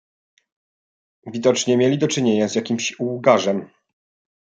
"Widocznie mieli do czynienia z jakimś łgarzem."